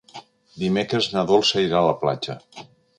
Dimecres na Dolça irà a la platja.